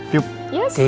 so tiup dalinya